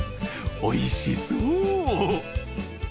おいしそう！